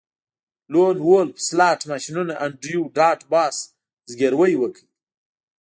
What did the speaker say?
لون وولف سلاټ ماشینونه انډریو ډاټ باس زګیروی وکړ